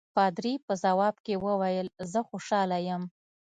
پادري په ځواب کې وویل زه خوشاله یم.